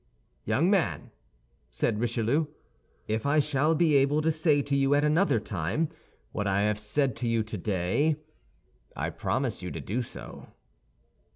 "Young man," said Richelieu, "if I shall be able to say to you at another time what I have said to you today, I promise you to do so."